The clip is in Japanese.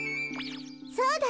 そうだ！